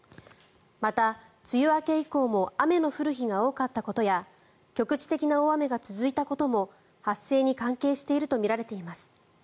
また、梅雨明け以降も雨の降る日が多かったことや局地的な大雨が続いたことも発生に関係しているとみられています。